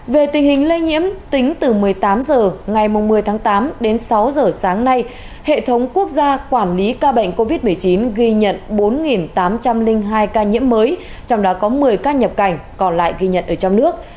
về tình hình lây nhiễm tính từ một mươi tám h ngày một mươi tháng tám đến sáu giờ sáng nay hệ thống quốc gia quản lý ca bệnh covid một mươi chín ghi nhận bốn tám trăm linh hai ca nhiễm mới trong đó có một mươi ca nhập cảnh còn lại ghi nhận ở trong nước